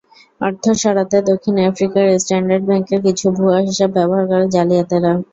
অর্থ সরাতে দক্ষিণ আফ্রিকার স্ট্যান্ডার্ড ব্যাংকের কিছু ভুয়া হিসাব ব্যবহার করে জালিয়াতেরা।